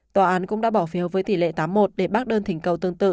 tòa án cũng đã bỏ phiếu với tỷ lệ tám một để bác đơn thỉnh cầu tương tự